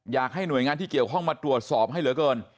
อยากให้หน่วยงานที่เกี่ยวข้องมาตรวจสอบให้เหลือเกิน